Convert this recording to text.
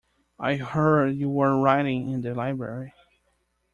I heard you were writing in the library.